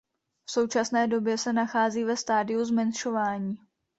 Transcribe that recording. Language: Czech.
V současné době se nachází ve stádiu zmenšování.